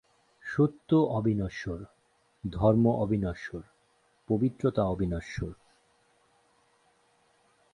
সত্য অবিনশ্বর, ধর্ম অবিনশ্বর, পবিত্রতা অবিনশ্বর।